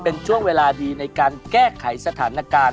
เป็นช่วงเวลาดีในการแก้ไขสถานการณ์